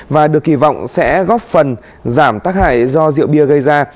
và được kỳ vọng sẽ góp phần giảm tác hại do rượu bia gây ra